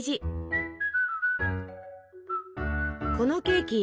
このケーキ